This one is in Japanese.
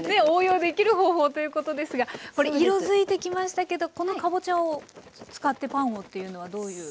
応用できる方法ということですが色づいてきましたけどこのかぼちゃを使ってパンをっていうのはどういう。